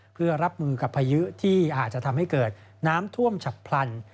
เพื่อรับมือกับพายุที่อาจจะทำให้เกิดน้ำท่วมฉับพลัน